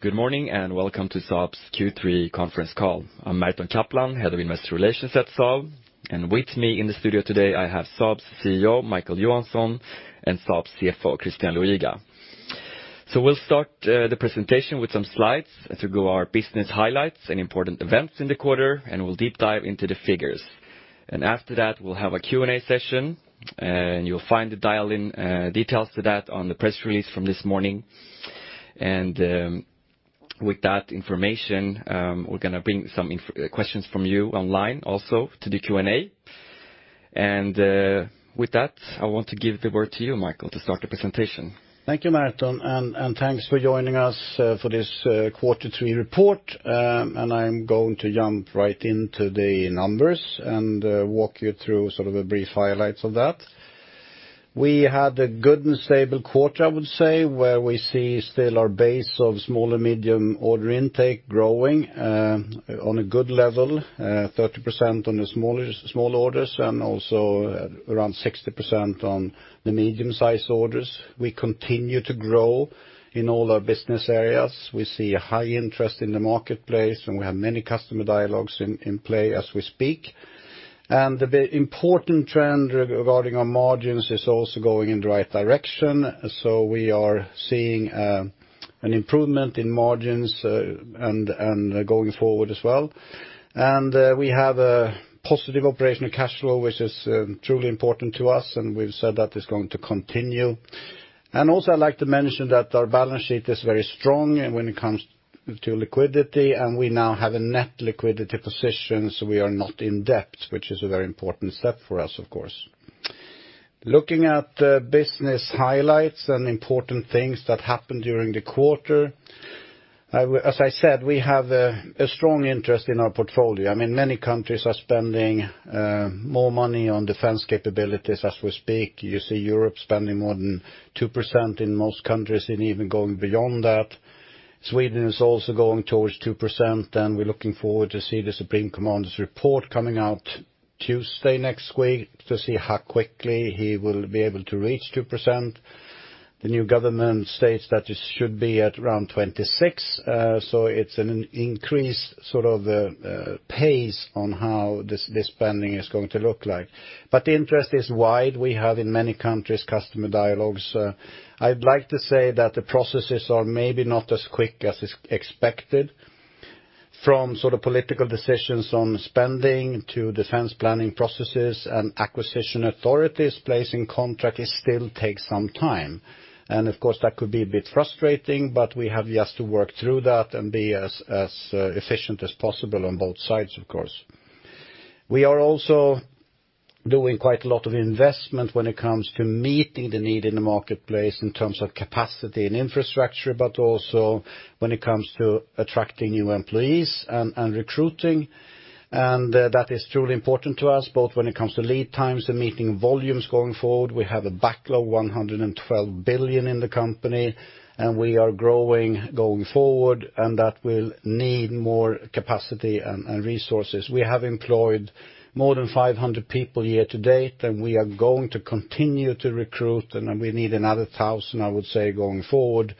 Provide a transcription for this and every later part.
Good morning, and welcome to Saab's Q3 conference call. I'm Merton Kaplan, Head of Investor Relations at Saab, and with me in the studio today, I have Saab's CEO, Micael Johansson, and Saab's CFO, Christian Luiga. We'll start the presentation with some slides as we go over our business highlights and important events in the quarter, and we'll deep dive into the figures. After that, we'll have a Q&A session, and you'll find the dial-in details to that on the press release from this morning. With that information, we're gonna bring some questions from you online also to the Q&A. With that, I want to give the word to you, Micael, to start the presentation. Thank you, Merton, and thanks for joining us for this quarter three report. I'm going to jump right into the numbers and walk you through sort of a brief highlights of that. We had a good and stable quarter, I would say, where we see still our base of small and medium order intake growing on a good level 30% on the small orders and also around 60% on the medium-sized orders. We continue to grow in all our business areas. We see a high interest in the marketplace, and we have many customer dialogues in play as we speak. The important trend regarding our margins is also going in the right direction. We are seeing an improvement in margins and going forward as well. We have a positive operational cash flow, which is truly important to us, and we've said that is going to continue. Also I'd like to mention that our balance sheet is very strong when it comes to liquidity, and we now have a net liquidity position, so we are not in debt, which is a very important step for us, of course. Looking at the business highlights and important things that happened during the quarter, as I said, we have a strong interest in our portfolio. I mean, many countries are spending more money on defense capabilities as we speak. You see Europe spending more than 2% in most countries and even going beyond that. Sweden is also going towards 2%, and we're looking forward to see the Supreme Commander's report coming out Tuesday next week to see how quickly he will be able to reach 2%. The new government states that it should be at around 2026, so it's an increased sort of pace on how this spending is going to look like. Interest is wide. We have in many countries customer dialogues. I'd like to say that the processes are maybe not as quick as is expected from sort of political decisions on spending to defense planning processes and acquisition authorities placing contract, it still takes some time. Of course, that could be a bit frustrating, but we have just to work through that and be as efficient as possible on both sides, of course. We are also doing quite a lot of investment when it comes to meeting the need in the marketplace in terms of capacity and infrastructure, but also when it comes to attracting new employees and recruiting. That is truly important to us, both when it comes to lead times and meeting volumes going forward. We have a backlog 112 billion in the company, and we are growing going forward, and that will need more capacity and resources. We have employed more than 500 people here to date, and we are going to continue to recruit, and we need another 1,000, I would say, going forward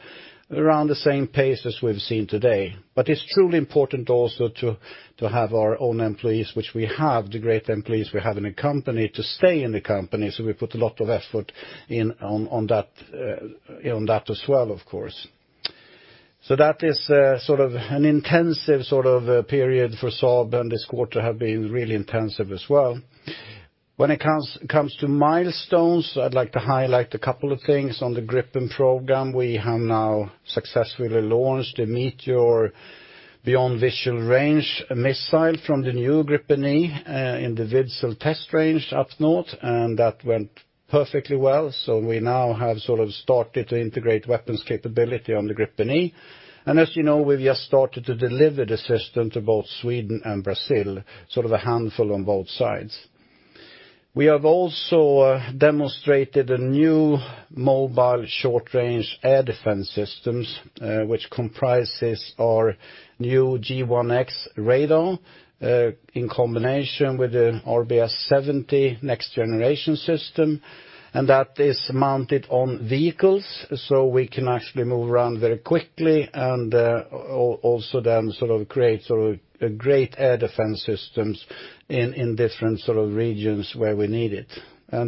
around the same pace as we've seen today. It's truly important also to have our own employees, which we have, the great employees we have in the company, to stay in the company, so we put a lot of effort on that as well, of course. That is sort of an intensive sort of period for Saab, and this quarter have been really intensive as well. When it comes to milestones, I'd like to highlight a couple of things. On the Gripen program, we have now successfully launched a Meteor beyond visual range missile from the new Gripen E in the Vidsel Test Range up north, and that went perfectly well. We now have sort of started to integrate weapons capability on the Gripen E. As you know, we've just started to deliver the system to both Sweden and Brazil, sort of a handful on both sides. We have also demonstrated a new Mobile Short Range Air Defence systems, which comprises our new G1X radar, in combination with the RBS 70 next generation system, and that is mounted on vehicles, so we can actually move around very quickly and, also then sort of create sort of a great air defense systems in different sort of regions where we need it.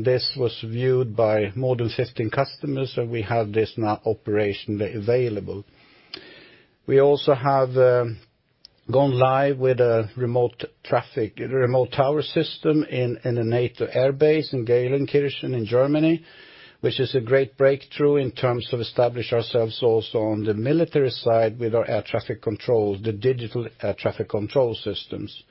This was viewed by more than 15 customers, so we have this now operationally available. We also have gone live with a remote traffic, remote tower system in a NATO Air Base in Geilenkirchen in Germany, which is a great breakthrough in terms of establishing ourselves also on the military side with our air traffic control, the digital traffic control systems.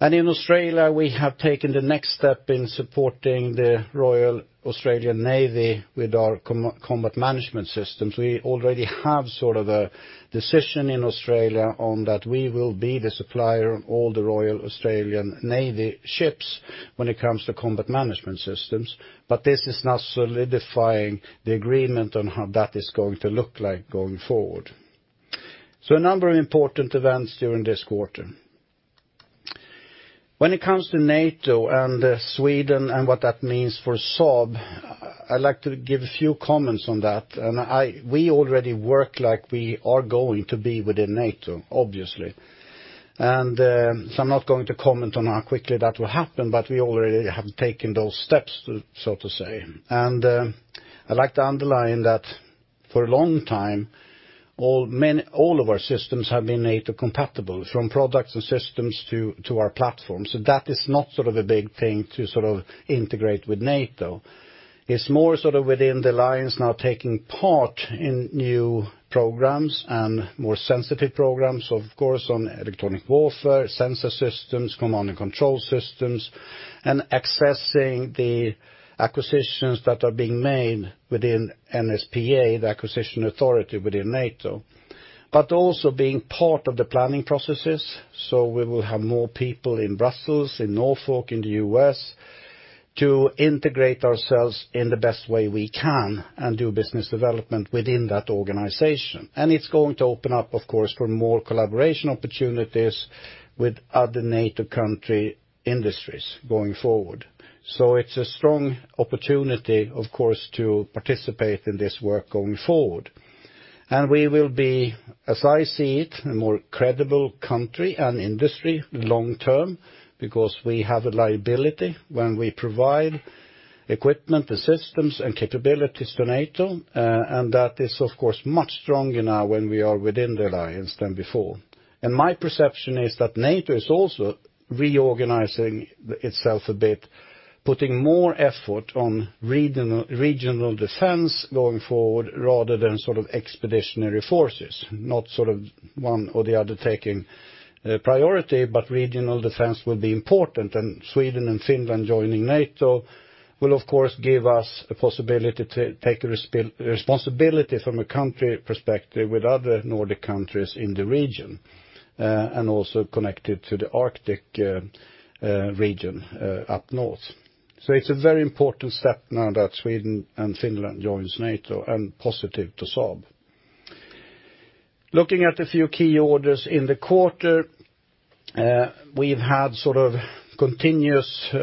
In Australia, we have taken the next step in supporting the Royal Australian Navy with our combat management systems. We already have sort of a decision in Australia on that we will be the supplier of all the Royal Australian Navy ships when it comes to combat management systems, but this is now solidifying the agreement on how that is going to look like going forward. A number of important events during this quarter. When it comes to NATO and Sweden and what that means for Saab, I'd like to give a few comments on that. We already work like we are going to be within NATO, obviously. I'm not going to comment on how quickly that will happen, but we already have taken those steps, so to say. I'd like to underline that for a long time, all of our systems have been NATO compatible, from products and systems to our platforms. That is not sort of a big thing to sort of integrate with NATO. It's more sort of within the alliance now taking part in new programs and more sensitive programs, of course, on electronic warfare, sensor systems, command and control systems, and accessing the acquisitions that are being made within NSPA, the acquisition authority within NATO. Also being part of the planning processes, so we will have more people in Brussels, in Norfolk, in the U.S., to integrate ourselves in the best way we can and do business development within that organization. It's going to open up, of course, for more collaboration opportunities with other NATO country industries going forward. It's a strong opportunity, of course, to participate in this work going forward. We will be, as I see it, a more credible country and industry long term because we have a liability when we provide equipment and systems and capabilities to NATO, and that is of course much stronger now when we are within the alliance than before. My perception is that NATO is also reorganizing itself a bit, putting more effort on regional defense going forward rather than sort of expeditionary forces. Not sort of one or the other taking priority, but regional defense will be important. Sweden and Finland joining NATO will of course give us a possibility to take responsibility from a country perspective with other Nordic countries in the region, and also connected to the Arctic region up north. It's a very important step now that Sweden and Finland joins NATO and positive to Saab. Looking at a few key orders in the quarter, we've had sort of continuous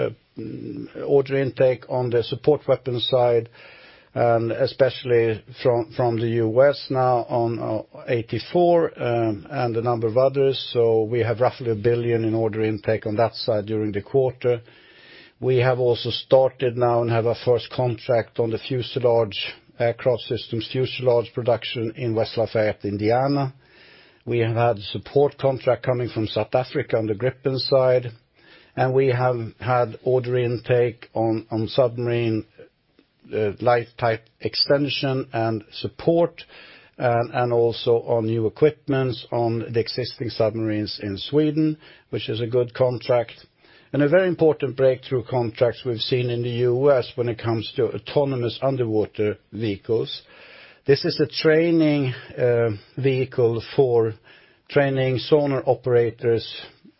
order intake on the support weapons side, and especially from the U.S. now on 84 and a number of others. We have roughly 1 billion in order intake on that side during the quarter. We have also started now and have a first contract on the fuselage aircraft systems, fuselage production in West Lafayette, Indiana. We have had support contract coming from South Africa on the Gripen side, and we have had order intake on submarine lifetime extension and support, and also on new equipment on the existing submarines in Sweden, which is a good contract. A very important breakthrough contract we've seen in the U.S. when it comes to autonomous underwater vehicles. This is a training vehicle for training sonar operators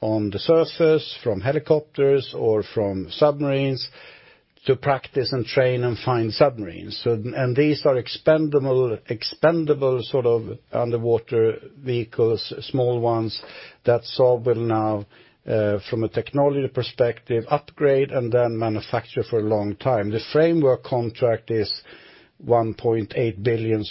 on the surface, from helicopters or from submarines to practice and train and find submarines. These are expendable sort of underwater vehicles, small ones that Saab will now, from a technology perspective, upgrade and then manufacture for a long time. The framework contract is 1.8 billion,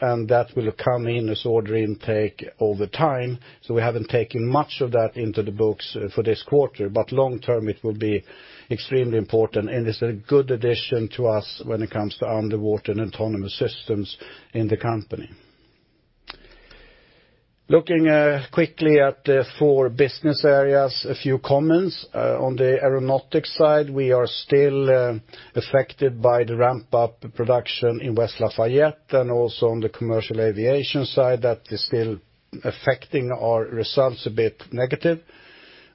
and that will come in as order intake over time. We haven't taken much of that into the books for this quarter. Long term, it will be extremely important, and it's a good addition to us when it comes to underwater and autonomous systems in the company. Looking quickly at the four business areas, a few comments. On the Aeronautics side, we are still affected by the ramp-up production in West Lafayette and also on the commercial aviation side that is still affecting our results a bit negative.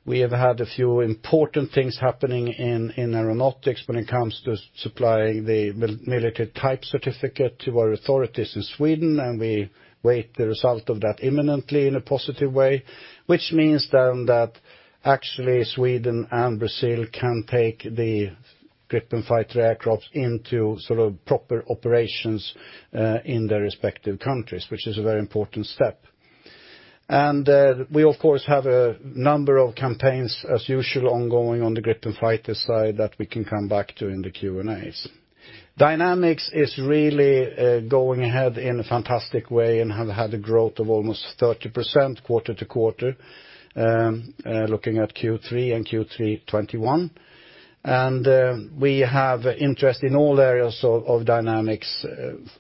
We have had a few important things happening in Aeronautics when it comes to supplying the military type certificate to our authorities in Sweden, and we await the result of that imminently in a positive way, which means then that actually Sweden and Brazil can take the Gripen fighter aircraft into sort of proper operations in their respective countries, which is a very important step. We of course have a number of campaigns as usual ongoing on the Gripen fighter side that we can come back to in the Q&As. Dynamics is really going ahead in a fantastic way and have had a growth of almost 30% quarter-to-quarter, looking at Q3 and Q3 2021. We have interest in all areas of dynamics,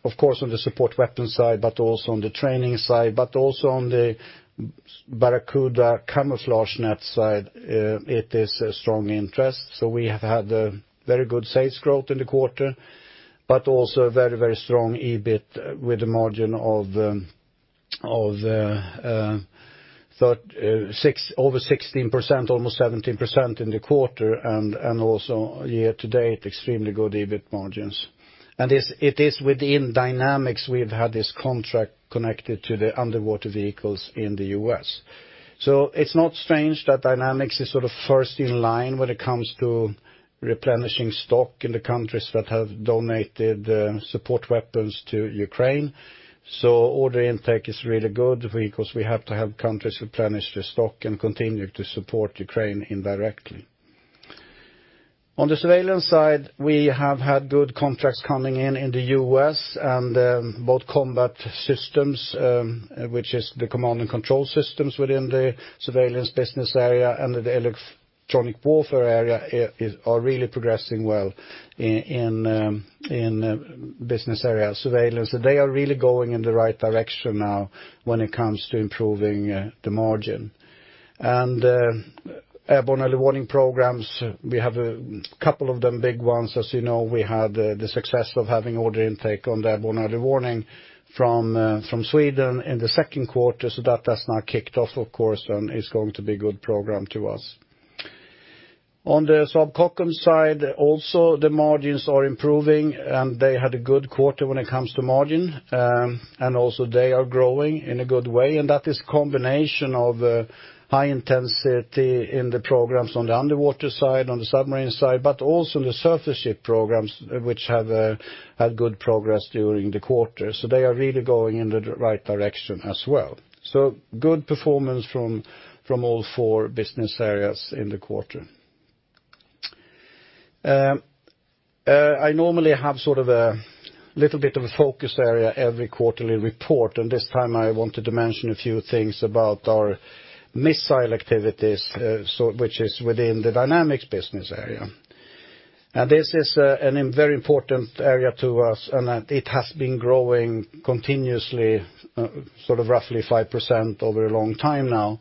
of course, on the support weapon side, but also on the training side, but also on the Barracuda camouflage net side. It is a strong interest. We have had a very good sales growth in the quarter, but also a very, very strong EBIT with a margin of over 16%, almost 17% in the quarter and also year to date, extremely good EBIT margins. It is within Dynamics we've had this contract connected to the underwater vehicles in the U.S. It's not strange that Dynamics is sort of first in line when it comes to replenishing stock in the countries that have donated support weapons to Ukraine. Order intake is really good because we have to help countries replenish their stock and continue to support Ukraine indirectly. On the Surveillance side, we have had good contracts coming in in the U.S. and both combat systems, which is the command and control systems within the Surveillance business area and the electronic warfare area are really progressing well in business area Surveillance. They are really going in the right direction now when it comes to improving the margin. Airborne early warning programs, we have a couple of them, big ones. As you know, we had the success of having order intake on the airborne early warning from Sweden in the second quarter, so that has now kicked off, of course, and is going to be a good program to us. On the Saab Kockums side, also the margins are improving, and they had a good quarter when it comes to margin. They are growing in a good way, and that is combination of high intensity in the programs on the underwater side, on the submarine side, but also the surface ship programs which have had good progress during the quarter. They are really going in the right direction as well. Good performance from all four business areas in the quarter. I normally have sort of a little bit of a focus area every quarterly report, and this time I wanted to mention a few things about our missile activities, which is within the Dynamics business area. This is a very important area to us, and it has been growing continuously, sort of roughly 5% over a long time now.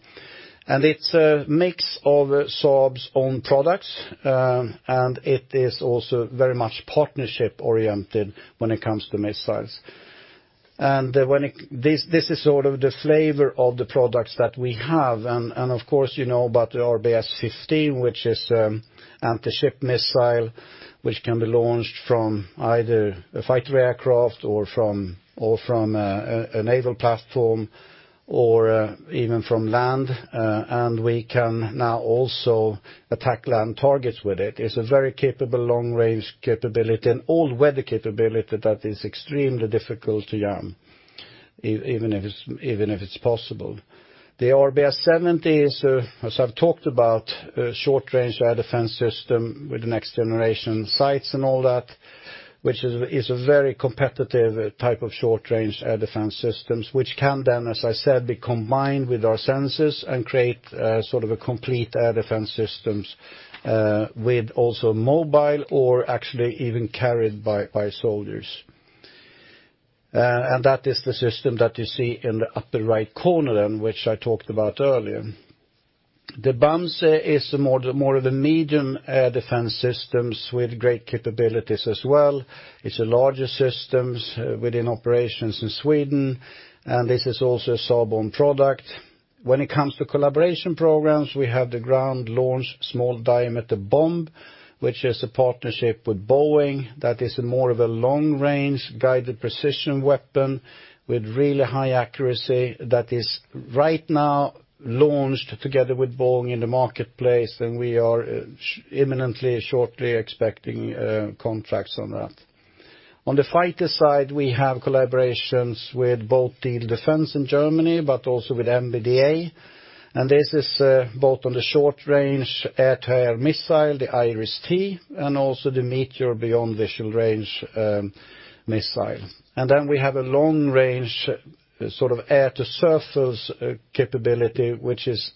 It's a mix of Saab's own products, and it is also very much partnership oriented when it comes to missiles. This is sort of the flavor of the products that we have. Of course, you know about the RBS15, which is an anti-ship missile, which can be launched from either a fighter aircraft or from a naval platform or even from land. We can now also attack land targets with it. It's a very capable long-range capability and all-weather capability that is extremely difficult to jam, even if it's possible. The RBS 70 is, as I've talked about, a short-range air defense system with next generation sites and all that, which is a very competitive type of short-range air defense systems, which can then, as I said, be combined with our sensors and create sort of a complete air defense systems, with also mobile or actually even carried by soldiers. That is the system that you see in the upper right corner then, which I talked about earlier. The BAMSE is more of the medium air defense systems with great capabilities as well. It's a larger systems within operations in Sweden, and this is also a Saab-owned product. When it comes to collaboration programs, we have the Ground-Launched Small Diameter Bomb, which is a partnership with Boeing that is more of a long-range guided precision weapon with really high accuracy that is right now launched together with Boeing in the marketplace. We are imminently, shortly expecting contracts on that. On the fighter side, we have collaborations with both Diehl Defence in Germany, but also with MBDA. This is both on the short range air-to-air missile, the IRIS-T, and also the Meteor beyond visual range missile. Then we have a long range sort of air-to-surface capability, which is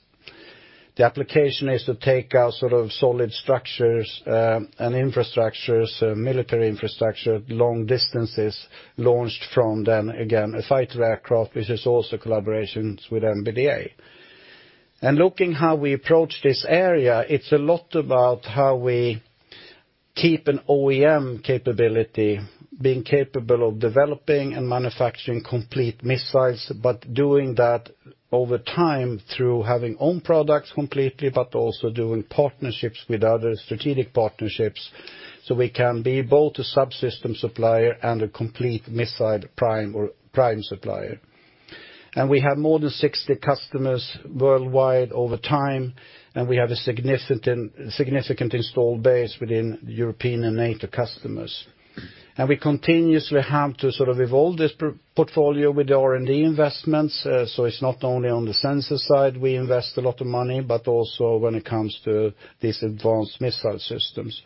the application is to take out sort of solid structures and infrastructures, military infrastructure, long distances launched from then, again, a fighter aircraft, which is also collaborations with MBDA. Looking how we approach this area, it's a lot about how we keep an OEM capability, being capable of developing and manufacturing complete missiles, but doing that over time through having own products completely, but also doing partnerships with other strategic partnerships. We can be both a subsystem supplier and a complete missile prime or prime supplier. We have more than 60 customers worldwide over time, and we have a significant installed base within European and NATO customers. We continuously have to sort of evolve this portfolio with the R&D investments. It's not only on the sensor side we invest a lot of money, but also when it comes to these advanced missile systems.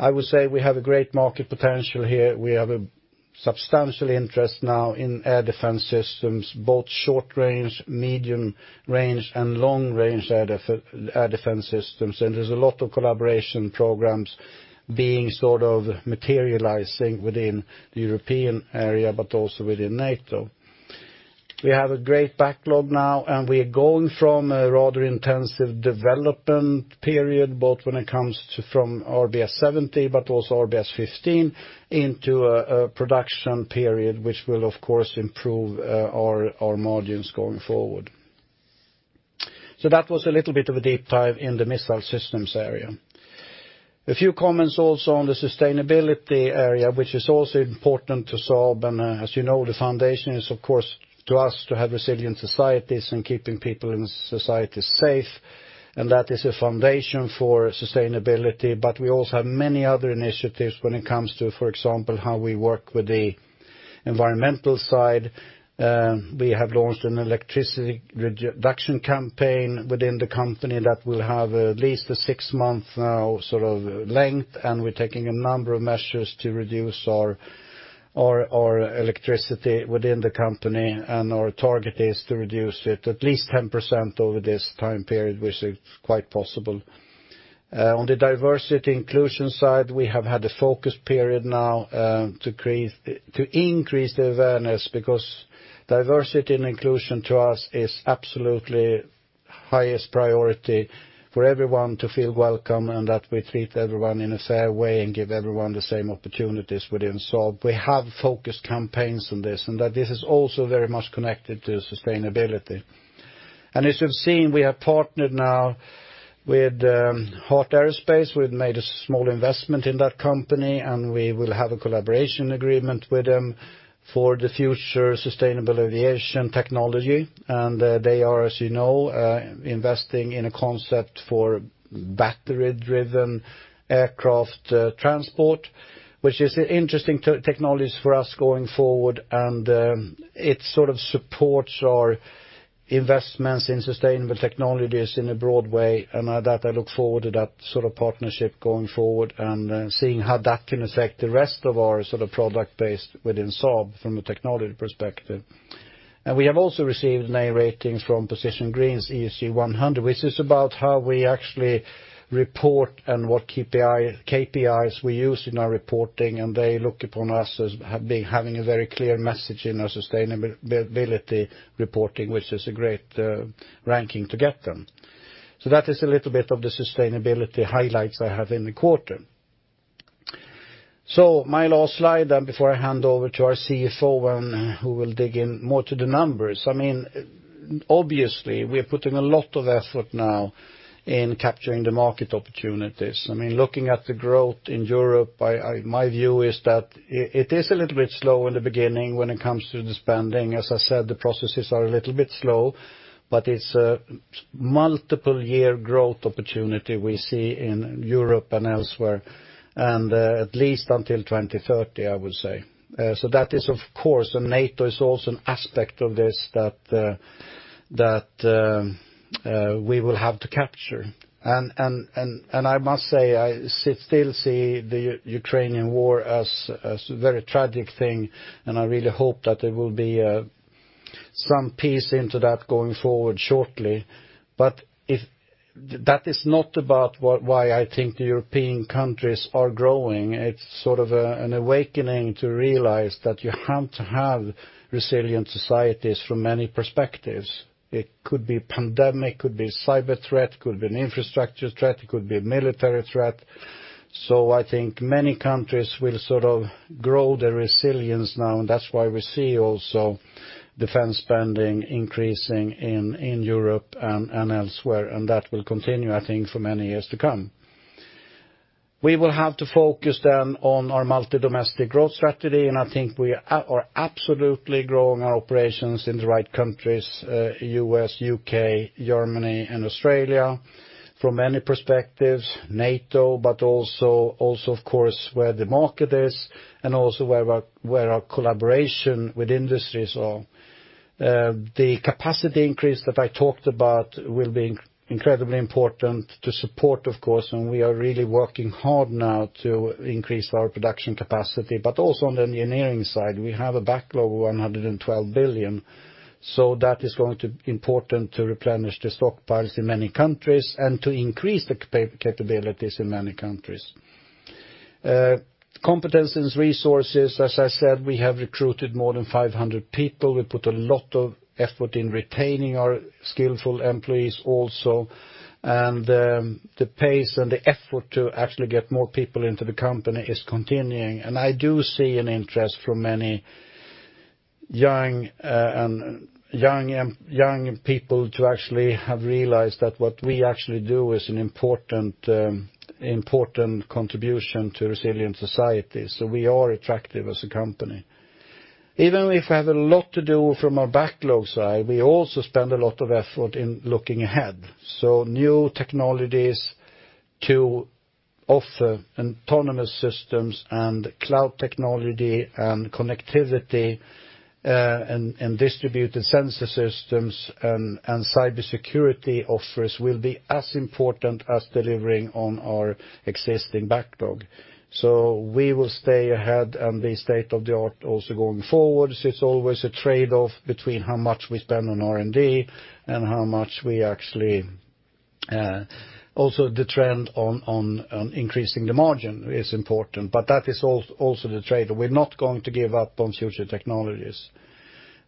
I would say we have a great market potential here. We have a substantial interest now in air defense systems, both short range, medium range, and long-range air defense systems. There's a lot of collaboration programs being sort of materializing within the European area but also within NATO. We have a great backlog now, and we are going from a rather intensive development period, both when it comes to RBS 70, but also RBS15, into a production period, which will of course improve our margins going forward. That was a little bit of a deep dive in the missile systems area. A few comments also on the sustainability area, which is also important to solve. As you know, the foundation is of course to us to have resilient societies and keeping people in society safe. That is a foundation for sustainability. We also have many other initiatives when it comes to, for example, how we work with the environmental side. We have launched an electricity reduction campaign within the company that will have at least a six-month length. We're taking a number of measures to reduce our electricity within the company, and our target is to reduce it at least 10% over this time period, which is quite possible. On the diversity inclusion side, we have had a focus period now to increase the awareness, because diversity and inclusion to us is absolutely highest priority for everyone to feel welcome and that we treat everyone in a fair way and give everyone the same opportunities within Saab. We have focused campaigns on this, and that this is also very much connected to sustainability. As you've seen, we have partnered now with Heart Aerospace. We've made a small investment in that company, and we will have a collaboration agreement with them for the future sustainable aviation technology. They are, as you know, investing in a concept for battery-driven aircraft transport, which is interesting technologies for us going forward. It sort of supports our investments in sustainable technologies in a broad way. That I look forward to that sort of partnership going forward and seeing how that can affect the rest of our sort of product base within Saab from a technology perspective. We have also received an A rating from Position Green’s ESG100, which is about how we actually report and what KPIs we use in our reporting. They look upon us as having a very clear message in our sustainability reporting, which is a great ranking to get them. That is a little bit of the sustainability highlights I have in the quarter. My last slide, and before I hand over to our CFO who will dig in more to the numbers, I mean, obviously, we're putting a lot of effort now in capturing the market opportunities. I mean, looking at the growth in Europe, my view is that it is a little bit slow in the beginning when it comes to the spending. As I said, the processes are a little bit slow, but it's a multiple year growth opportunity we see in Europe and elsewhere, and at least until 2030, I would say. That is of course, NATO is also an aspect of this that we will have to capture. I must say, I still see the Ukrainian war as a very tragic thing, and I really hope that there will be some peace into that going forward shortly. That is not about why I think the European countries are growing. It's sort of an awakening to realize that you have to have resilient societies from many perspectives. It could be pandemic, could be cyber threat, could be an infrastructure threat, it could be a military threat. I think many countries will sort of grow their resilience now, and that's why we see also defense spending increasing in Europe and elsewhere. That will continue, I think, for many years to come. We will have to focus then on our multi-domestic growth strategy, and I think we are absolutely growing our operations in the right countries, U.S., U.K., Germany, and Australia from many perspectives, NATO, but also of course, where the market is and also where our collaboration with industries are. The capacity increase that I talked about will be incredibly important to support, of course. We are really working hard now to increase our production capacity. Also on the engineering side, we have a backlog of 112 billion, so that is going to be important to replenish the stockpiles in many countries and to increase the capabilities in many countries. Competencies, resources, as I said, we have recruited more than 500 people. We put a lot of effort in retaining our skillful employees also. The pace and the effort to actually get more people into the company is continuing. I do see an interest from many young people to actually have realized that what we actually do is an important contribution to resilient society. We are attractive as a company. Even if we have a lot to do from a backlog side, we also spend a lot of effort in looking ahead. New technologies to offer autonomous systems and cloud technology and connectivity and distributed sensor systems and cybersecurity offers will be as important as delivering on our existing backlog. We will stay ahead and be state-of-the-art also going forward. It's always a trade-off between how much we spend on R&D and how much we actually also the trend on increasing the margin is important, but that is also the trade. We're not going to give up on future technologies.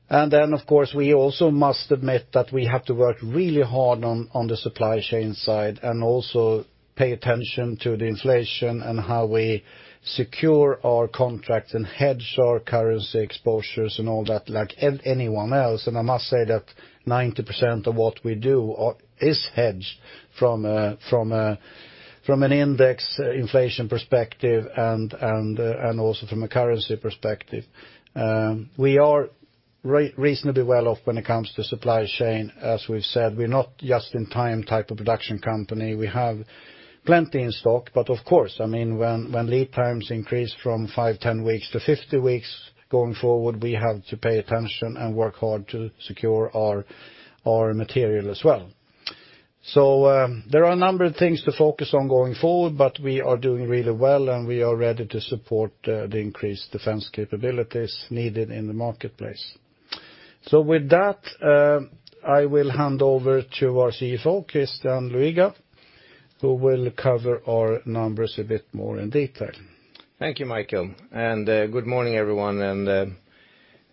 Of course, we also must admit that we have to work really hard on the supply chain side and also pay attention to the inflation and how we secure our contracts and hedge our currency exposures and all that like anyone else. I must say that 90% of what we do is hedged from an index inflation perspective and also from a currency perspective. We are reasonably well off when it comes to supply chain. As we've said, we're not just in time type of production company. We have plenty in stock. Of course, I mean, when lead times increase from five, 10 weeks to 50 weeks going forward, we have to pay attention and work hard to secure our material as well. There are a number of things to focus on going forward, but we are doing really well, and we are ready to support the increased defense capabilities needed in the marketplace. With that, I will hand over to our CFO, Christian Luiga, who will cover our numbers a bit more in detail. Thank you, Micael, and good morning everyone.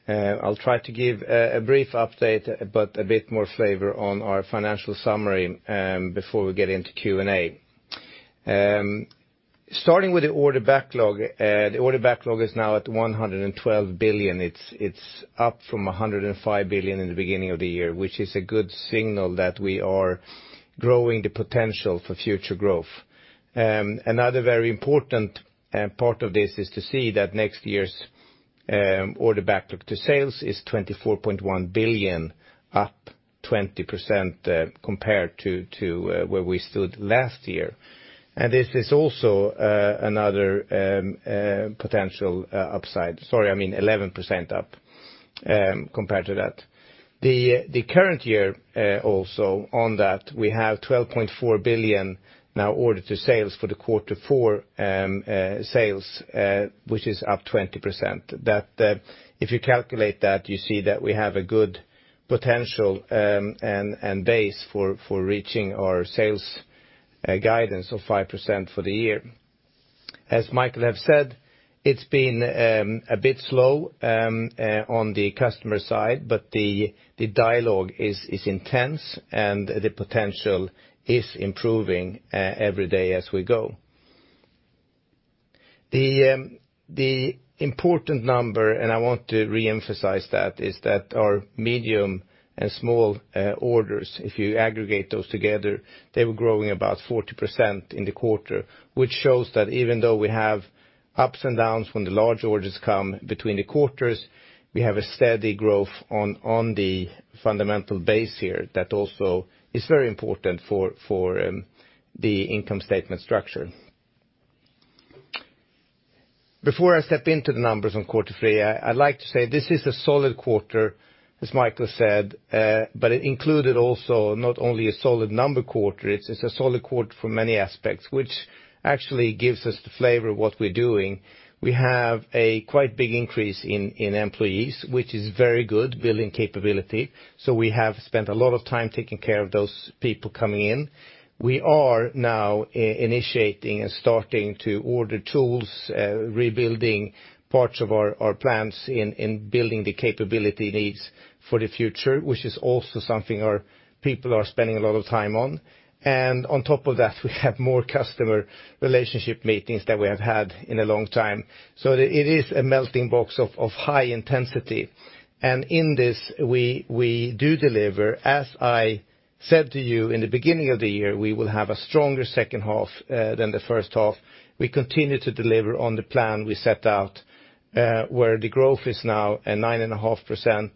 I'll try to give a brief update about a bit more flavor on our financial summary before we get into Q&A. Starting with the order backlog. The order backlog is now at 112 billion. It's up from 105 billion in the beginning of the year, which is a good signal that we are growing the potential for future growth. Another very important part of this is to see that next year's order backlog to sales is 24.1 billion, up 20% compared to where we stood last year. This is also another potential 11% up, compared to that. The current year also on that, we have 12.4 billion now ordered to sales for the quarter four, sales which is up 20%. That if you calculate that, you see that we have a good potential and base for reaching our sales guidance of 5% for the year. As Micael have said, it's been a bit slow on the customer side, but the dialogue is intense, and the potential is improving every day as we go. The important number, and I want to re-emphasize that, is that our medium and small orders, if you aggregate those together, they were growing about 40% in the quarter, which shows that even though we have ups and downs when the large orders come between the quarters, we have a steady growth on the fundamental base here that also is very important for the income statement structure. Before I step into the numbers on quarter three, I'd like to say this is a solid quarter, as Micael said, but it included also not only a solid number quarter, it's a solid quarter for many aspects, which actually gives us the flavor of what we're doing. We have a quite big increase in employees, which is very good building capability. We have spent a lot of time taking care of those people coming in. We are now initiating and starting to order tools, rebuilding parts of our plans in building the capability needs for the future, which is also something our people are spending a lot of time on. On top of that, we have more customer relationship meetings than we have had in a long time. It is a melting pot of high intensity. In this, we do deliver. As I said to you in the beginning of the year, we will have a stronger second half than the first half. We continue to deliver on the plan we set out, where the growth is now at 9.5%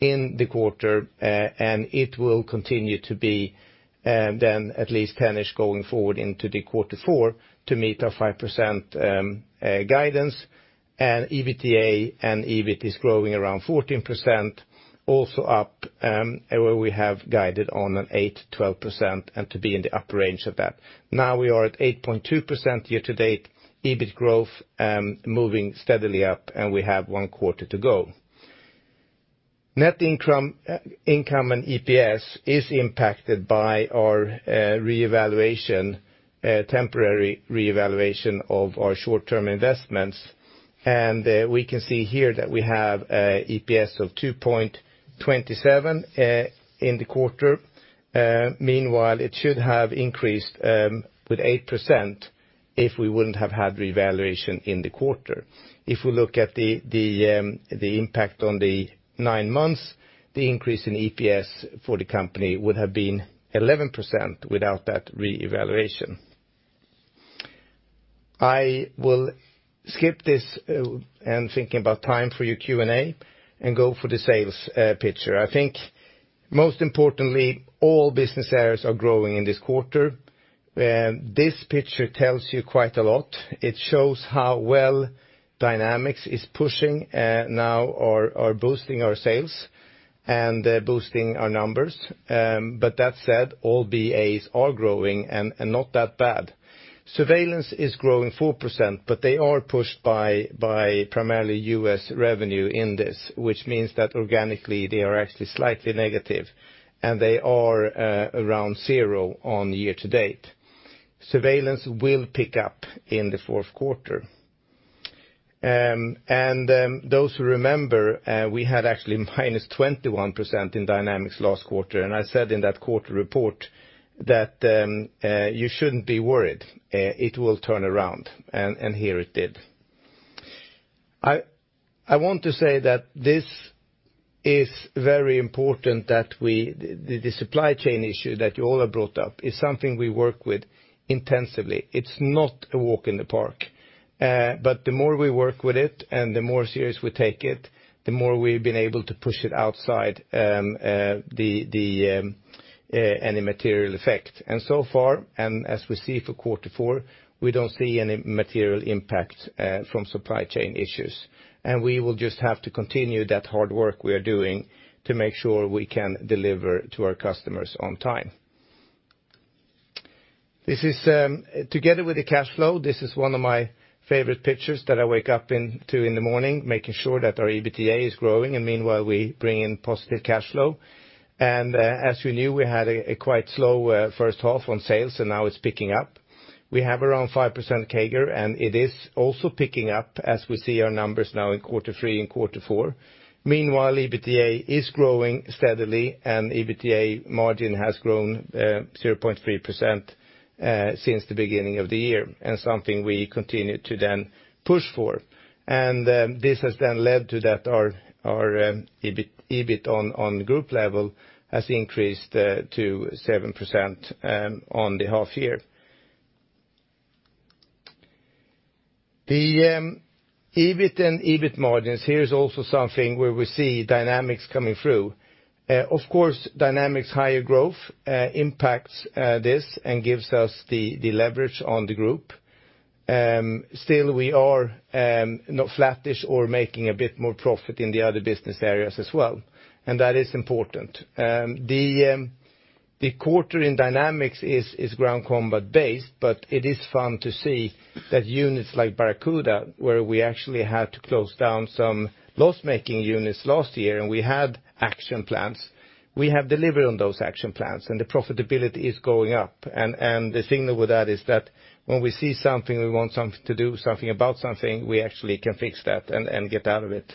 in the quarter. It will continue to be then at least 10-ish going forward into quarter four to meet our 5% guidance. EBITDA and EBIT is growing around 14%, also up where we have guided on an 8%-12%, and to be in the upper range of that. Now we are at 8.2% year-to-date, EBIT growth, moving steadily up, and we have one quarter to go. Net income and EPS is impacted by our temporary reevaluation of our short-term investments. We can see here that we have EPS of 2.27 in the quarter. Meanwhile, it should have increased with 8% if we wouldn't have had revaluation in the quarter. If we look at the impact on the nine months, the increase in EPS for the company would have been 11% without that reevaluation. I will skip this, and thinking about time for your Q&A, and go for the sales picture. I think most importantly, all business areas are growing in this quarter. This picture tells you quite a lot. It shows how well Dynamics is pushing now or boosting our sales and boosting our numbers. That said, all BAs are growing and not that bad. Surveillance is growing 4%, but they are pushed by primarily U.S. revenue in this, which means that organically they are actually slightly negative, and they are around zero on year-to-date. Surveillance will pick up in the fourth quarter. Those who remember, we had actually -21% in Dynamics last quarter. I said in that quarter report that you shouldn't be worried, it will turn around, and here it did. I want to say that this is very important that the supply chain issue that you all have brought up is something we work with intensively. It's not a walk in the park. But the more we work with it and the more serious we take it, the more we've been able to push it outside any material effect. So far, and as we see for quarter four, we don't see any material impact from supply chain issues. We will just have to continue that hard work we are doing to make sure we can deliver to our customers on time. This is, together with the cash flow, this is one of my favorite pictures that I wake up to in the morning, making sure that our EBITDA is growing, and meanwhile, we bring in positive cash flow. As you know, we had a quite slow first half on sales, and now it's picking up. We have around 5% CAGR, and it is also picking up as we see our numbers now in quarter three and quarter four. Meanwhile, EBITDA is growing steadily, and EBITDA margin has grown 0.3% since the beginning of the year, and something we continue to then push for. This has then led to that our EBIT on group level has increased to 7% on the half year. The EBIT and EBITDA margins here is also something where we see Dynamics coming through. Of course, Dynamics higher growth impacts this and gives us the leverage on the group. Still, we are not flattish or making a bit more profit in the other business areas as well, and that is important. The quarter in Dynamics is ground combat-based, but it is fun to see that units like Barracuda, where we actually had to close down some loss-making units last year, and we had action plans. We have delivered on those action plans, and the profitability is going up. The thing with that is that when we see something, we want something to do, something about something, we actually can fix that and get out of it.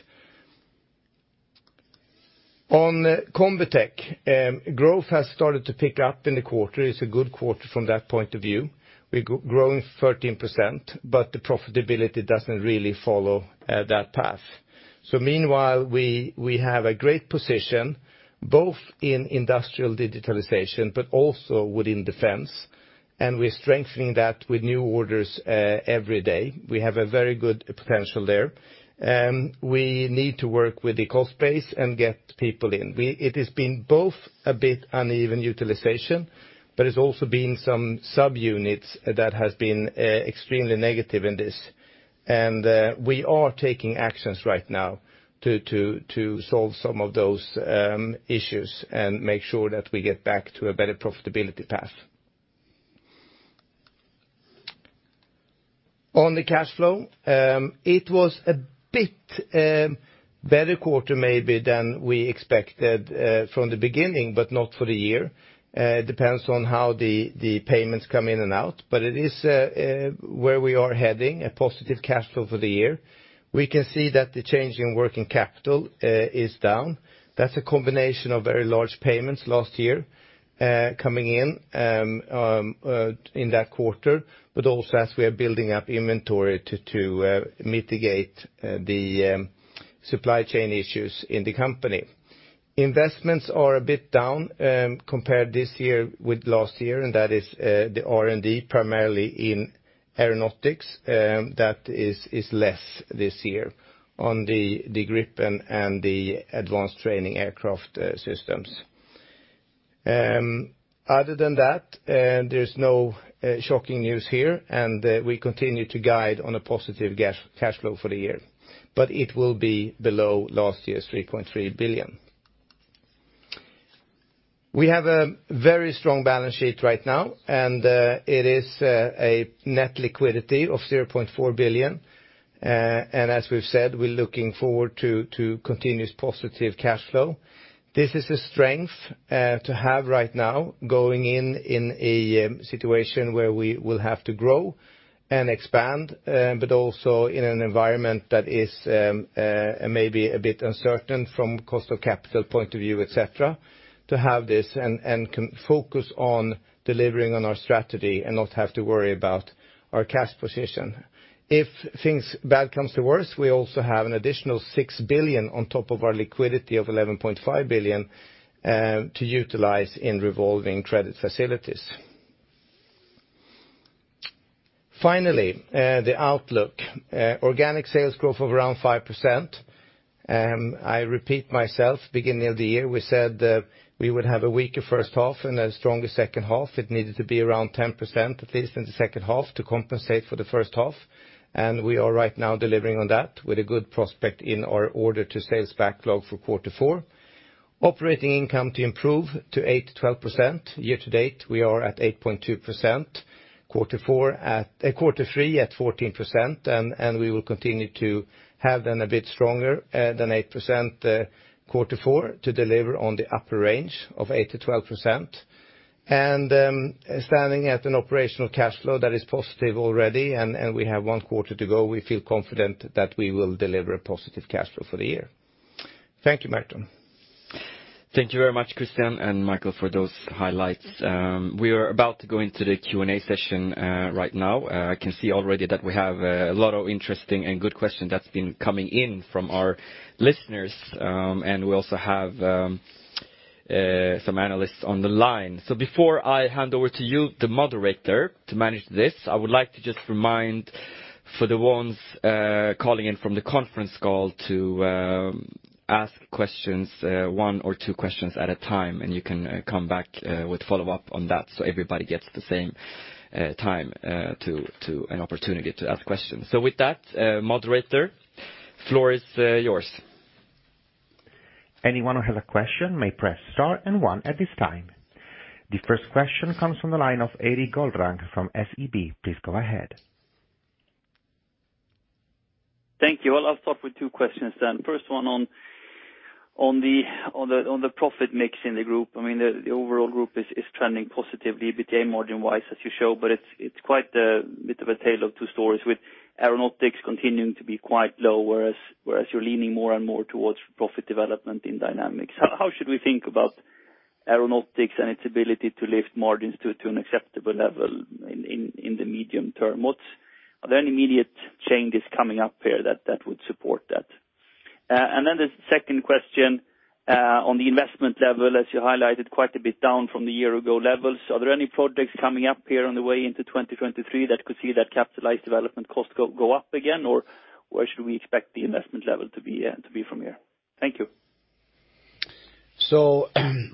On Combitech, growth has started to pick up in the quarter. It's a good quarter from that point of view. We're growing 13%, but the profitability doesn't really follow that path. Meanwhile, we have a great position both in industrial digitalization, but also within defense, and we're strengthening that with new orders every day. We have a very good potential there. We need to work with the cost base and get people in. It has been both a bit uneven utilization, but it's also been some subunits that has been extremely negative in this. We are taking actions right now to solve some of those issues and make sure that we get back to a better profitability path. On the cash flow, it was a bit better quarter maybe than we expected from the beginning, but not for the year. It depends on how the payments come in and out, but it is where we are heading, a positive cash flow for the year. We can see that the change in working capital is down. That's a combination of very large payments last year coming in in that quarter, but also as we are building up inventory to mitigate the supply chain issues in the company. Investments are a bit down compared this year with last year, and that is the R&D, primarily in Aeronautics, that is less this year on the Gripen and the advanced training aircraft systems. Other than that, there's no shocking news here, and we continue to guide on a positive cash flow for the year. It will be below last year's 3.3 billion. We have a very strong balance sheet right now, and it is a net liquidity of 0.4 billion. As we've said, we're looking forward to continuous positive cash flow. This is a strength to have right now going in a situation where we will have to grow and expand, but also in an environment that is maybe a bit uncertain from cost of capital point of view, et cetera, to have this and can focus on delivering on our strategy and not have to worry about our cash position. If things bad comes to worse, we also have an additional 6 billion on top of our liquidity of 11.5 billion to utilize in revolving credit facilities. Finally, the outlook. Organic sales growth of around 5%. I repeat myself, beginning of the year, we said we would have a weaker first half and a stronger second half. It needed to be around 10%, at least in the second half, to compensate for the first half. We are right now delivering on that with a good prospect in our order to sales backlog for quarter four. Operating income to improve to 8%-12%. Year-to-date, we are at 8.2%. Quarter three at 14%, and we will continue to have then a bit stronger than 8%, quarter four to deliver on the upper range of 8%-12%. Standing at an operational cash flow that is positive already and we have one quarter to go, we feel confident that we will deliver a positive cash flow for the year. Thank you, Merton. Thank you very much, Christian and Micael, for those highlights. We are about to go into the Q&A session, right now. I can see already that we have a lot of interesting and good questions that's been coming in from our listeners, and we also have some analysts on the line. Before I hand over to you, the moderator, to manage this, I would like to just remind for the ones calling in from the conference call to ask questions one or two questions at a time, and you can come back with follow-up on that so everybody gets the same time to an opportunity to ask questions. With that, moderator, floor is yours. Anyone who has a question may press star and one at this time. The first question comes from the line of Erik Golrang from SEB. Please go ahead. Thank you. Well, I'll start with two questions then. First one on the profit mix in the group. I mean, the overall group is trending positively EBITDA margin-wise as you show, but it's quite a bit of a tale of two stories with Aeronautics continuing to be quite low, whereas you're leaning more and more towards profit development in Dynamics. How should we think about Aeronautics and its ability to lift margins to an acceptable level in the medium term? Are there any immediate changes coming up here that would support that? The second question on the investment level, as you highlighted quite a bit down from the year-ago levels. Are there any projects coming up here on the way into 2023 that could see that capitalized development cost go up again? Or where should we expect the investment level to be from here? Thank you.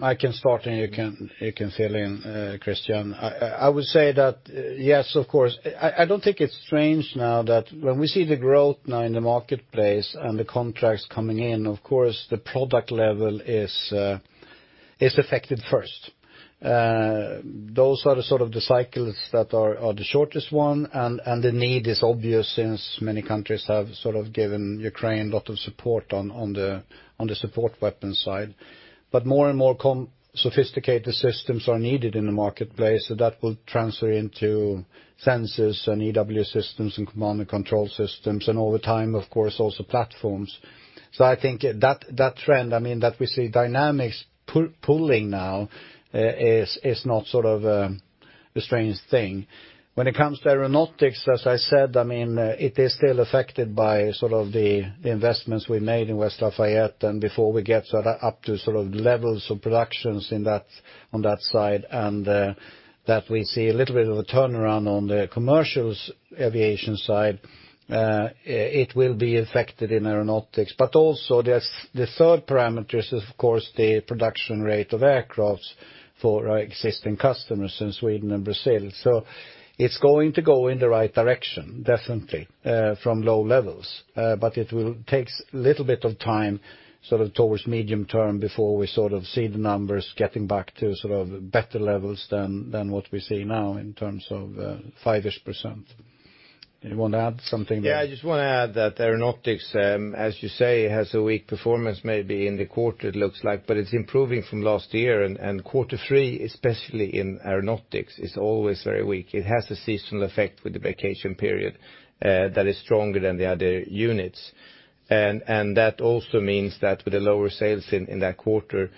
I can start, and you can fill in, Christian. I would say that yes, of course. I don't think it's strange now that when we see the growth now in the marketplace and the contracts coming in, of course, the product level is affected first. Those are the sort of the cycles that are the shortest one, and the need is obvious since many countries have sort of given Ukraine a lot of support on the support weapons side. More and more sophisticated systems are needed in the marketplace, so that will transfer into sensors and EW systems and command and control systems, and over time, of course, also platforms. I think that trend, I mean, that we see Dynamics pulling now is not a strange thing. When it comes to Aeronautics, as I said, I mean, it is still affected by the investments we made in West Lafayette. Before we get up to levels of production in that, on that side, that we see a little bit of a turnaround on the commercial aviation side, it will be affected in Aeronautics. Also, there's the third parameter is, of course, the production rate of aircraft for our existing customers in Sweden and Brazil. It's going to go in the right direction, definitely, from low levels. It will take a little bit of time, sort of towards medium term before we sort of see the numbers getting back to sort of better levels than what we see now in terms of 5-ish%. You want to add something there? Yeah, I just want to add that Aeronautics, as you say, has a weak performance maybe in the quarter it looks like, but it's improving from last year. Quarter three, especially in Aeronautics, is always very weak. It has a seasonal effect with the vacation period that is stronger than the other units. That also means that with the lower sales in that quarter,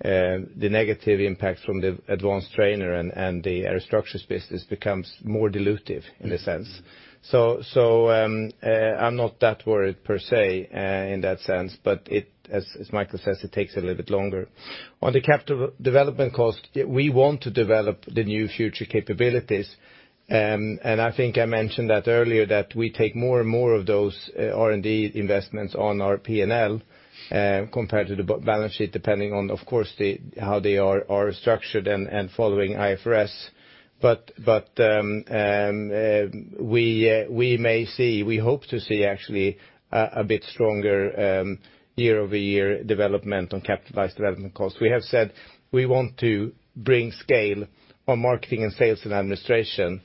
the negative impacts from the advanced trainer and the aerostructures business becomes more dilutive in a sense. I'm not that worried per se, in that sense. It, as Micael says, it takes a little bit longer. On the capital development cost, we want to develop the new future capabilities. I think I mentioned that earlier that we take more and more of those R&D investments on our P&L, compared to the balance sheet, depending on, of course, how they are structured and following IFRS. We may see, we hope to see actually a bit stronger year-over-year development on capitalized development costs. We have said we want to bring scale on marketing and sales and administration,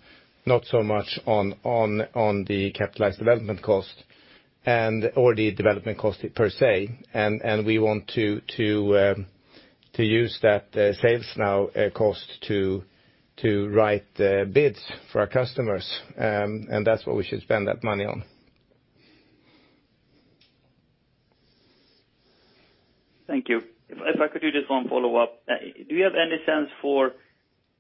not so much on the capitalized development cost and or the development cost per se. We want to use that SG&A cost to write the bids for our customers. That's what we should spend that money on. Thank you. If I could do just one follow-up. Do you have any sense for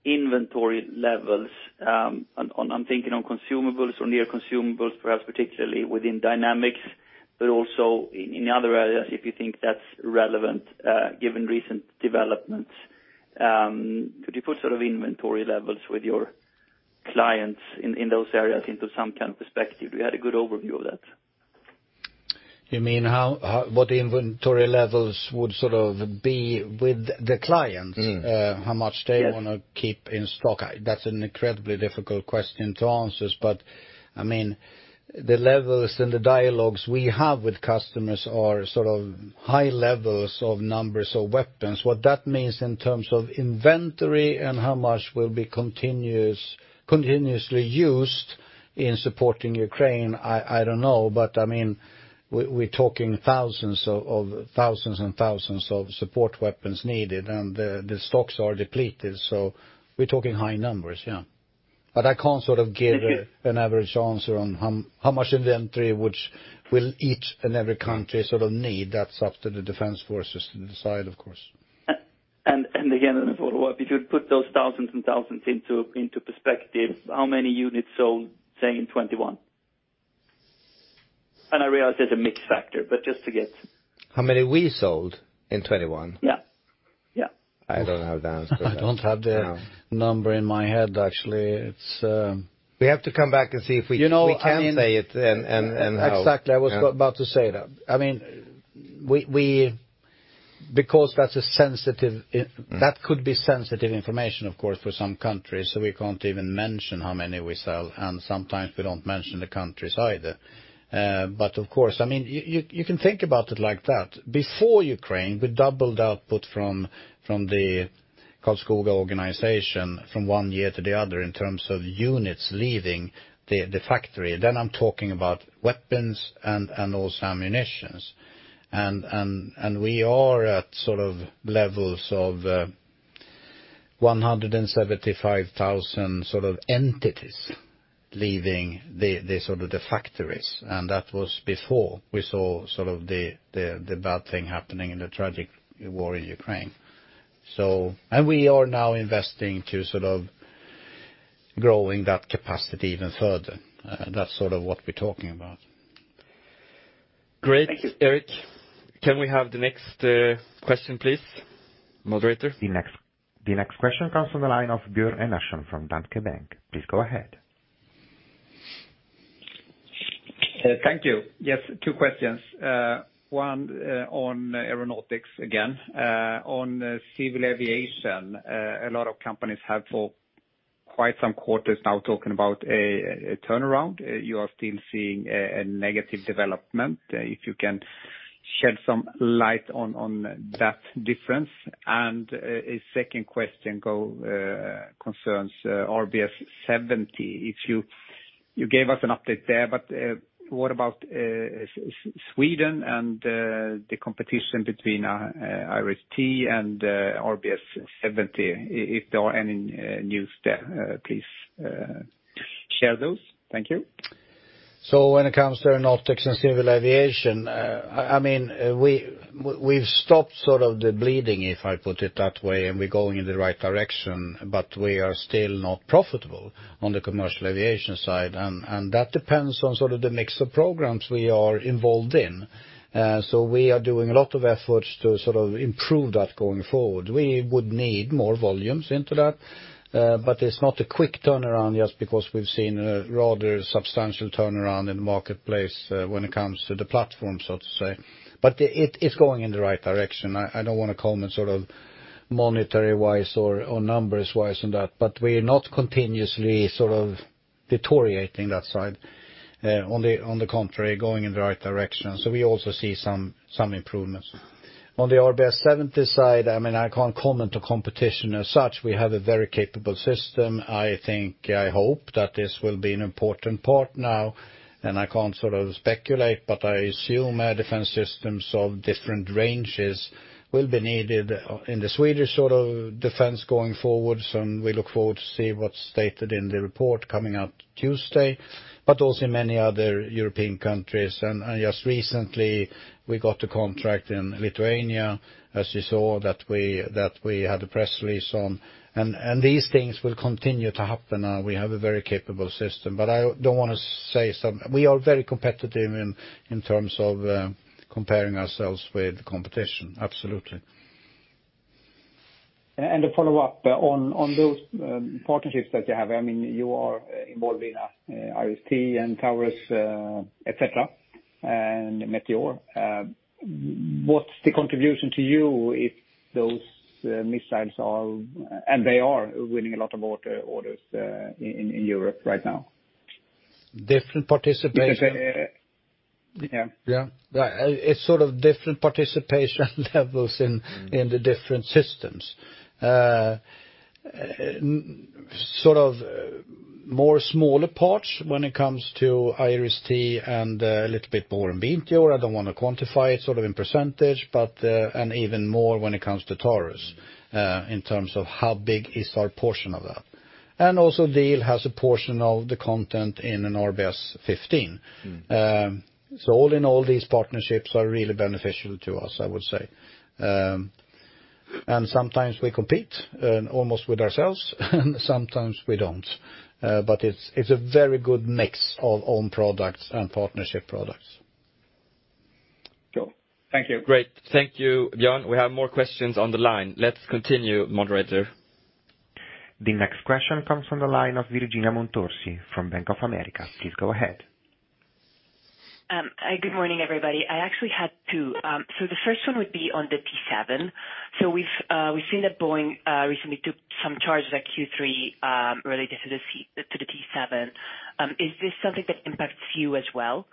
inventory levels on consumables or near consumables, perhaps particularly within Dynamics, but also in other areas, if you think that's relevant, given recent developments. Could you put sort of inventory levels with your clients in those areas into some kind of perspective? Do you have a good overview of that? You mean how what inventory levels would sort of be with the clients? Mm-hmm. How much they Yes wanna keep in stock? That's an incredibly difficult question to answer. I mean, the levels and the dialogues we have with customers are sort of high levels of numbers of weapons. What that means in terms of inventory and how much will be continuous, continuously used in supporting Ukraine, I don't know. I mean, we're talking thousands of thousands and thousands of support weapons needed, and the stocks are depleted. We're talking high numbers, yeah. I can't sort of give a- Thank you. An average answer on how much inventory which will each and every country sort of need. That's up to the defense forces to decide, of course. On a follow-up, if you put those thousands and thousands into perspective, how many units sold, say, in 2021? I realize there's a mix factor, but just to get. How many we sold in 2021? Yeah. Yeah. I don't have the answer to that. I don't have the number in my head, actually. It's. We have to come back and see if we. You know, I mean. We can say it and how Exactly. I was about to say that. I mean, because that's a sensitive. That could be sensitive information, of course, for some countries. We can't even mention how many we sell, and sometimes we don't mention the countries either. But of course, I mean, you can think about it like that. Before Ukraine, we doubled output from the Karlskoga organization from one year to the other in terms of units leaving the factory. Then I'm talking about weapons and also ammunitions. We are at sort of levels of 175,000 sort of entities leaving the factories. That was before we saw sort of the bad thing happening in the tragic war in Ukraine. We are now investing to sort of growing that capacity even further. That's sort of what we're talking about. Great. Thank you. Erik, can we have the next question, please? The next question comes from the line of Björn Enarson from Danske Bank. Please go ahead. Thank you. Yes, two questions. One, on Aeronautics again. On civil aviation, a lot of companies have for quite some quarters now talking about a turnaround. You are still seeing a negative development. If you can shed some light on that difference. And a second question concerns RBS 70. You gave us an update there, but what about Sweden and the competition between IRIS-T and RBS 70? If there are any news there, please share those. Thank you. When it comes to Aeronautics and civil aviation, I mean, we've stopped sort of the bleeding, if I put it that way, and we're going in the right direction, but we are still not profitable on the commercial aviation side. That depends on sort of the mix of programs we are involved in. We are doing a lot of efforts to sort of improve that going forward. We would need more volumes into that, but it's not a quick turnaround just because we've seen a rather substantial turnaround in the marketplace, when it comes to the platform, so to say. It's going in the right direction. I don't want to comment sort of monetary-wise or numbers-wise on that, but we're not continuously sort of deteriorating that side. On the contrary, going in the right direction. We also see some improvements. On the RBS 70 side, I mean, I can't comment on competition as such. We have a very capable system. I think, I hope that this will be an important part now, and I can't sort of speculate, but I assume our defense systems of different ranges will be needed in the Swedish sort of defense going forward. We look forward to see what's stated in the report coming out Tuesday, but also in many other European countries. Just recently, we got a contract in Lithuania, as you saw, that we had a press release on. These things will continue to happen. We have a very capable system, but I don't want to say some. We are very competitive in terms of comparing ourselves with competition. Absolutely. A follow-up on those partnerships that you have. I mean, you are involving IRIS-T and TAURUS, et cetera, and Meteor. What's the contribution to you if those missiles and they are winning a lot of orders in Europe right now? Different participation. Yeah. Yeah. It's sort of different participation levels in the different systems. Sort of more smaller parts when it comes to IRIS-T and a little bit more in Meteor. I don't want to quantify it sort of in percentage, but and even more when it comes to TAURUS, in terms of how big is our portion of that. And also, Diehl has a portion of the content in an RBS15. Mm-hmm. All in all, these partnerships are really beneficial to us, I would say. Sometimes we compete almost with ourselves, and sometimes we don't. It's a very good mix of own products and partnership products. Cool. Thank you. Great. Thank you, Björn. We have more questions on the line. Let's continue, moderator. The next question comes from the line of Virginia Montorsi from Bank of America Merrill Lynch. Please go ahead. Good morning, everybody. I actually had two. So the first one would be on the T-7. We've seen that Boeing recently took some charges at Q3 related to the T-7. Is this something that impacts you as well?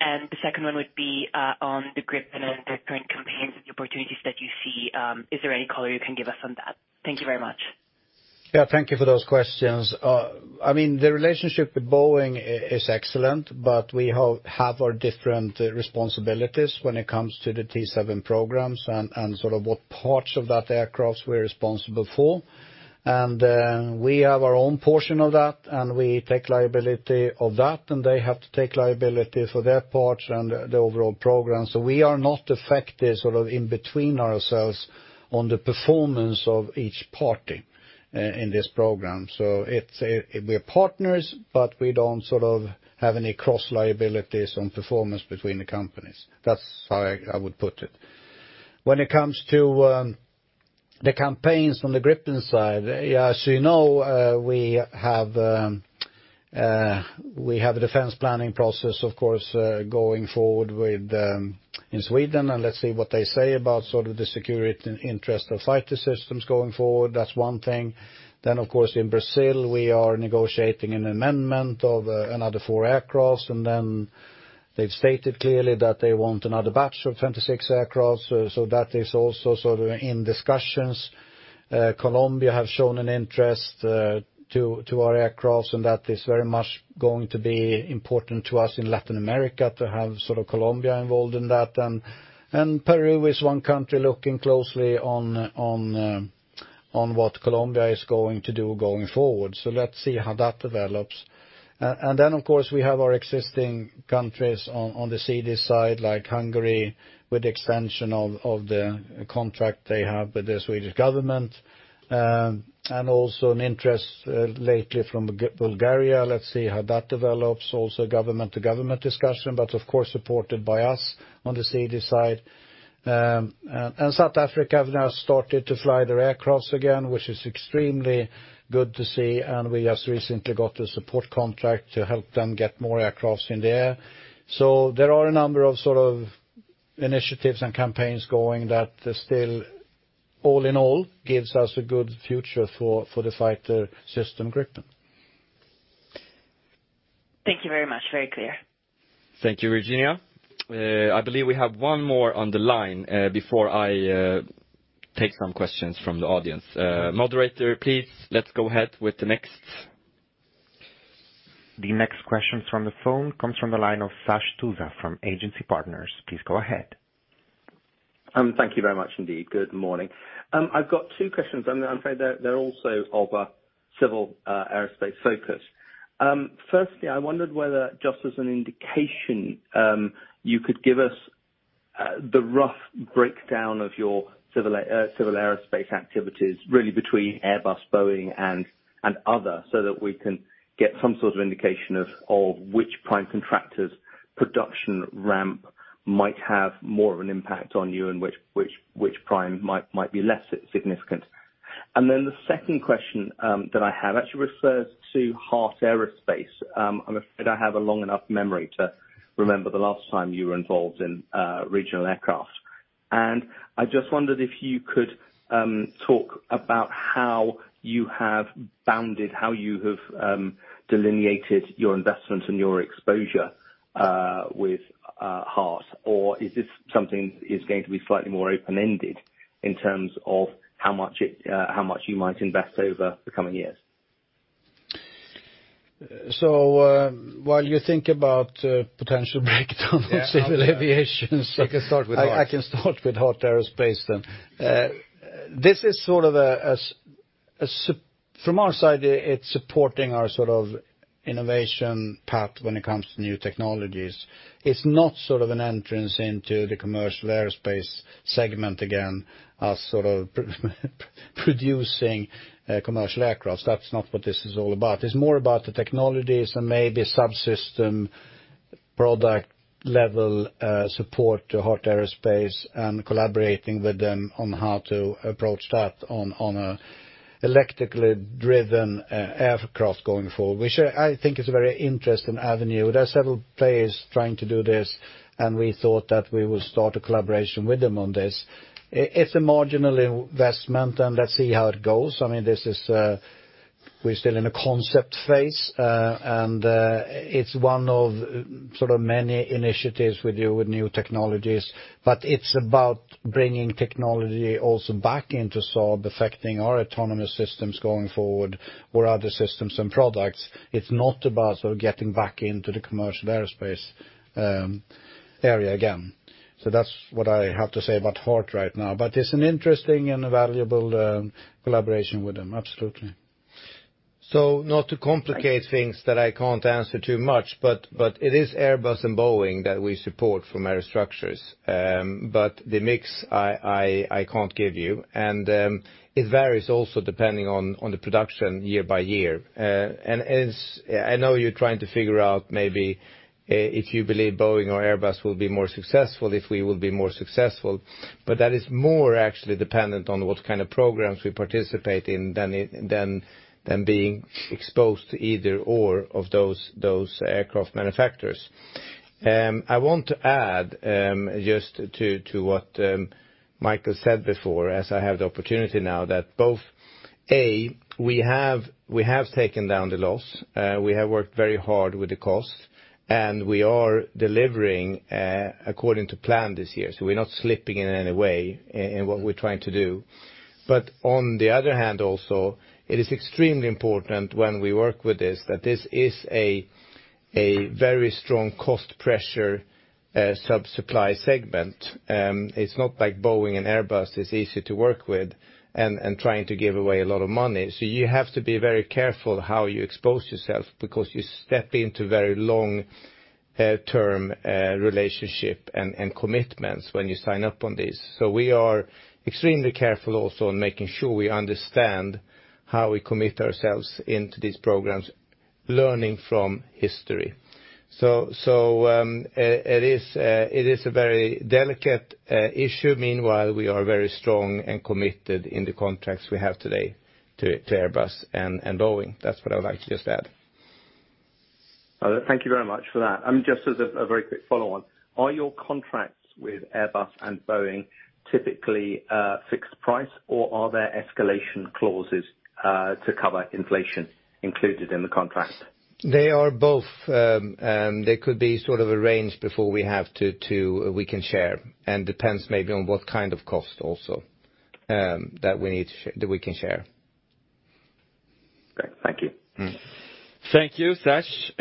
The second one would be on the Gripen and the current campaigns and the opportunities that you see. Is there any color you can give us on that? Thank you very much. Yeah, thank you for those questions. I mean, the relationship with Boeing is excellent, but we have our different responsibilities when it comes to the T-7 programs and sort of what parts of that aircraft we're responsible for. We have our own portion of that, and we take liability of that, and they have to take liability for their parts and the overall program. We are not affected sort of in between ourselves on the performance of each party in this program. We're partners, but we don't sort of have any cross liabilities on performance between the companies. That's how I would put it. When it comes to the campaigns on the Gripen side. Yeah, you know, we have a defense planning process, of course, going forward with in Sweden, and let's see what they say about sort of the security interest of fighter systems going forward. That's one thing. Of course, in Brazil, we are negotiating an amendment of another four aircraft, and then they've stated clearly that they want another batch of 26 aircraft. That is also sort of in discussions. Colombia have shown an interest to our aircraft, and that is very much going to be important to us in Latin America to have sort of Colombia involved in that. Peru is one country looking closely on what Colombia is going to do going forward. Let's see how that develops. We have our existing countries on the C/D side, like Hungary, with the extension of the contract they have with the Swedish government. Also an interest lately from Bulgaria. Let's see how that develops. Also government to government discussion, but of course, supported by us on the C/D side. South Africa have now started to fly their aircraft again, which is extremely good to see. We just recently got a support contract to help them get more aircraft in the air. There are a number of sort of initiatives and campaigns going that still all in all gives us a good future for the fighter system, Gripen. Thank you very much. Very clear. Thank you, Virginia. I believe we have one more on the line before I take some questions from the audience. Moderator, please, let's go ahead with the next. The next question from the phone comes from the line of Sash Tusa from Agency Partners. Please go ahead. Thank you very much indeed. Good morning. I've got two questions, and I'm afraid they're also of a civil aerospace focus. Firstly, I wondered whether, just as an indication, you could give us the rough breakdown of your civil aerospace activities, really between Airbus, Boeing and other, so that we can get some sort of indication of which prime contractor's production ramp might have more of an impact on you and which prime might be less significant. The second question that I have actually refers to Heart Aerospace. I'm afraid I have a long enough memory to remember the last time you were involved in regional aircraft. I just wondered if you could talk about how you have delineated your investment and your exposure with Heart. Or is this something is going to be slightly more open-ended in terms of how much you might invest over the coming years? While you think about potential breakdowns in civil aviation. I can start with Heart. I can start with Heart Aerospace then. This is sort of. From our side, it's supporting our sort of innovation path when it comes to new technologies. It's not sort of an entrance into the commercial aerospace segment, again, us sort of producing commercial aircraft. That's not what this is all about. It's more about the technologies and maybe subsystem product level support to Heart Aerospace and collaborating with them on how to approach that on an electrically driven aircraft going forward, which I think is a very interesting avenue. There are several players trying to do this, and we thought that we would start a collaboration with them on this. It's a marginal investment, and let's see how it goes. I mean, this is, we're still in a concept phase, and it's one of sort of many initiatives with new technologies. It's about bringing technology also back into Saab, affecting our autonomous systems going forward or other systems and products. It's not about sort of getting back into the commercial aerospace area again. That's what I have to say about Heart right now, but it's an interesting and valuable collaboration with them. Absolutely. Not to complicate things that I can't answer too much, but it is Airbus and Boeing that we support from Aerostructures. The mix I can't give you. It varies also depending on the production year by year. As I know you're trying to figure out maybe if you believe Boeing or Airbus will be more successful, if we will be more successful. That is more actually dependent on what kind of programs we participate in than it being exposed to either or of those aircraft manufacturers. I want to add, just to what Micael said before, as I have the opportunity now, that both A, we have taken down the loss, we have worked very hard with the costs, and we are delivering according to plan this year, so we're not slipping in any way in what we're trying to do. On the other hand, also, it is extremely important when we work with this, that this is a very strong cost pressure sub-supply segment. It's not like Boeing and Airbus is easy to work with and trying to give away a lot of money. You have to be very careful how you expose yourself, because you step into very long-term relationship and commitments when you sign up on this. We are extremely careful also in making sure we understand how we commit ourselves into these programs. Learning from history. It is a very delicate issue. Meanwhile, we are very strong and committed in the contracts we have today to Airbus and Boeing. That's what I would like to just add. Thank you very much for that. Just as a very quick follow on, are your contracts with Airbus and Boeing typically fixed price or are there escalation clauses to cover inflation included in the contract? They are both. They could be sort of arranged before we have to. We can share, and depends maybe on what kind of cost also that we can share. Great. Thank you. Mm. Thank you, Sash.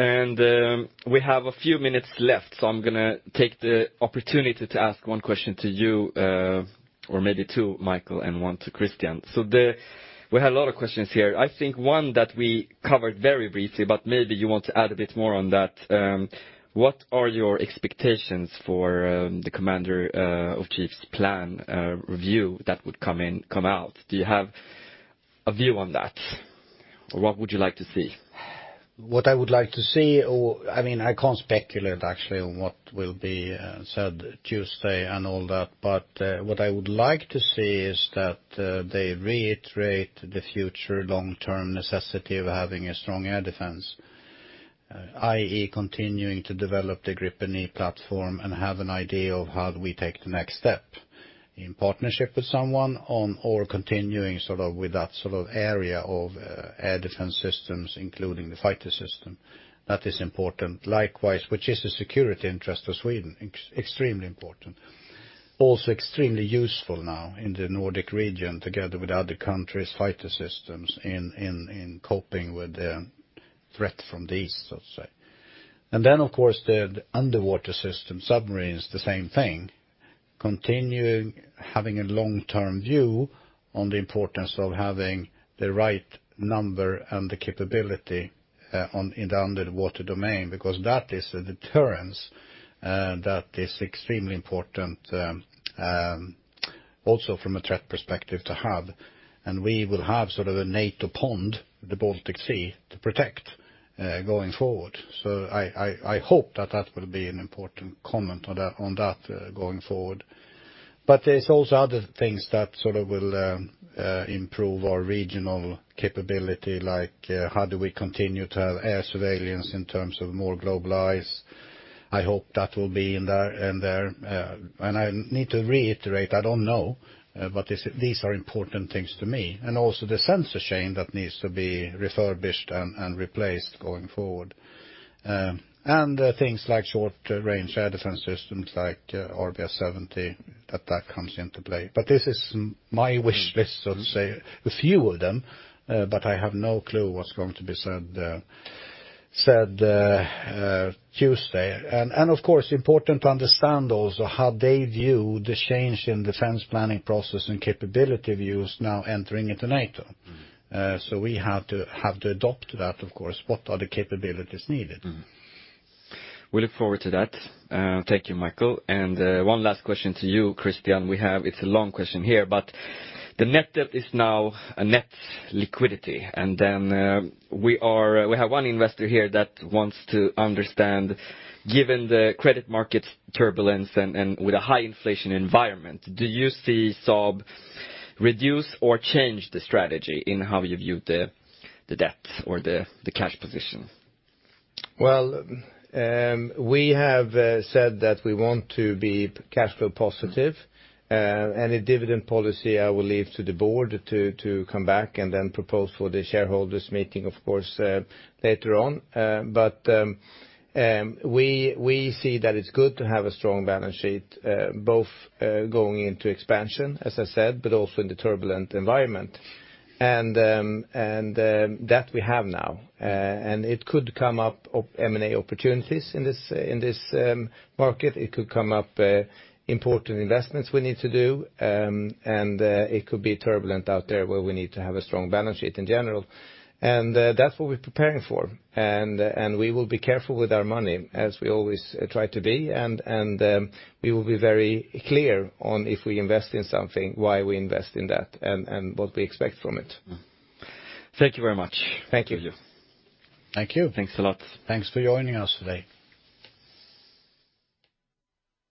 We have a few minutes left, so I'm gonna take the opportunity to ask one question to you, or maybe two, Micael, and one to Christian. We have a lot of questions here. I think one that we covered very briefly, but maybe you want to add a bit more on that, what are your expectations for the Commander-in-Chief's plan review that would come out? Do you have a view on that, or what would you like to see? What I would like to see or, I mean, I can't speculate actually on what will be said Tuesday and all that, but what I would like to see is that they reiterate the future long-term necessity of having a strong air defense, i.e., continuing to develop the Gripen E platform and have an idea of how do we take the next step, in partnership with someone on or continuing sort of with that sort of area of air defense systems, including the fighter system. That is important. Likewise, which is a security interest of Sweden, extremely important. Also extremely useful now in the Nordic region, together with other countries' fighter systems in coping with the threat from the east, let's say. Of course the underwater system, submarines, the same thing. Continuing having a long-term view on the importance of having the right number and the capability in the underwater domain, because that is a deterrence that is extremely important, also from a threat perspective to have. We will have sort of a NATO pond, the Baltic Sea, to protect going forward. I hope that will be an important comment on that going forward. There's also other things that sort of will improve our regional capability, like how do we continue to have air surveillance in terms of more globalize. I hope that will be in there. I need to reiterate, I don't know, but these are important things to me. Also the sensor chain that needs to be refurbished and replaced going forward. Things like short-range air defense systems like RBS 70, that comes into play. But this is my wish list, so to say, a few of them, but I have no clue what's going to be said Tuesday. Of course, important to understand also how they view the change in defense planning process and capability views now entering into NATO. Mm-hmm. We have to adopt that, of course. What are the capabilities needed? Mm-hmm. We look forward to that. Thank you, Micael. One last question to you, Christian. We have, it's a long question here, but the net debt is now a net liquidity. We have one investor here that wants to understand, given the credit market turbulence and with a high inflation environment, do you see Saab reduce or change the strategy in how you view the debt or the cash position? Well, we have said that we want to be cash flow positive, and a dividend policy I will leave to the board to come back and then propose for the shareholders meeting of course, later on. We see that it's good to have a strong balance sheet, both going into expansion, as I said, but also in the turbulent environment that we have now. It could come up of M&A opportunities in this market. It could come up important investments we need to do, and it could be turbulent out there where we need to have a strong balance sheet in general. That's what we're preparing for. We will be careful with our money, as we always try to be. We will be very clear on if we invest in something, why we invest in that, and what we expect from it. Thank you very much. Thank you. Thank you. Thanks a lot. Thanks for joining us today.